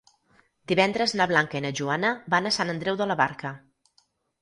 Divendres na Blanca i na Joana van a Sant Andreu de la Barca.